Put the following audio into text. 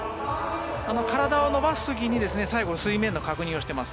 体を伸ばす時に最後、水面の確認をしています。